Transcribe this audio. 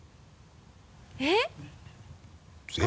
えっ？